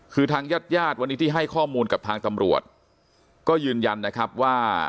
คือทางญาติญาติวันนี้ที่ให้ข้อมูลกับทางตำรวจก็ยืนยันนะครับว่า